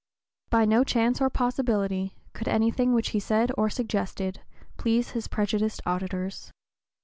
By no chance or possibility could anything which he said or suggested please his prejudiced auditors.